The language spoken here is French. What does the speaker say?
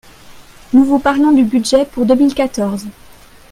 Nous vous parlons du budget pour deux mille quatorze